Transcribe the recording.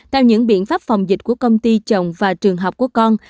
theo những biện pháp phòng dịch của công ty chồng và trường học của con